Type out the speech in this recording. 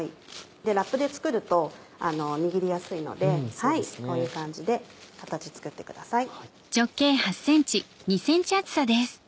ラップで作ると握りやすいのでこういう感じで形作ってください。